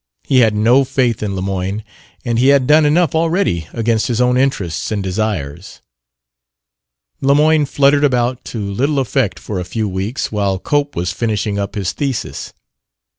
He had no faith in Lemoyne, and he had done enough already against his own interests and desires. Lemoyne fluttered about to little effect for a few weeks, while Cope was finishing up his thesis.